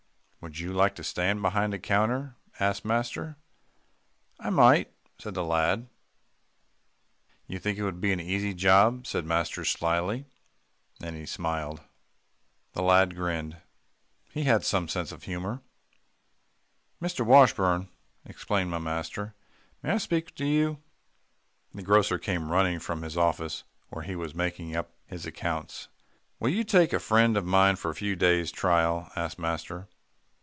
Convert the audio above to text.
"Would you like to stand behind a counter?" asked master. "I might," said the lad. "You think it would be an easy job?" said master slyly. Then he smiled. The lad grinned. He had some sense of humour. "Mr. Washburn!" exclaimed my master, "may I speak to you?" The grocer came running from his office where he was making up his accounts. "Will you take a friend of mine for a few days' trial?" asked master.